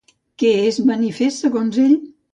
Què és manifest, segons ell?